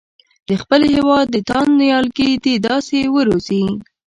د خپل هېواد تاند نیالګي دې داسې وروزي.